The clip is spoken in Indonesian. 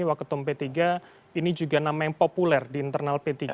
waketum p tiga ini juga nama yang populer di internal p tiga